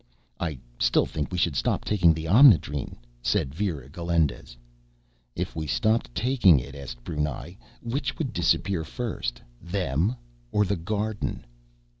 "I still think we should stop taking the Omnidrene," said Vera Galindez. "If we stopped taking it," asked Brunei, "which would disappear first, them ... _or the garden?